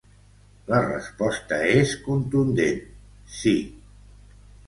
La resposta és contundent: sí.